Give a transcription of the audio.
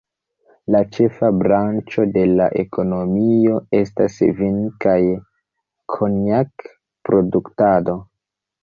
La ĉefa branĉo de la ekonomio estas vin- kaj konjak-produktado.